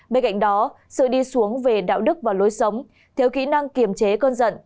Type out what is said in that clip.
bên cạnh đó sự đi xuống về đạo đức và lối sống thiếu kỹ năng kiểm chế cơn giận